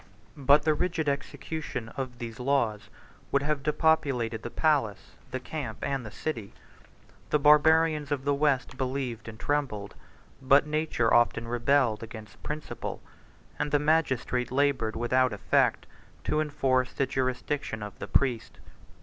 But the rigid execution of these laws would have depopulated the palace, the camp, and the city; the Barbarians of the West believed and trembled; but nature often rebelled against principle; and the magistrate labored without effect to enforce the jurisdiction of the priest.